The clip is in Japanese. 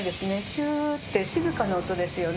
シューッて静かな音ですよね。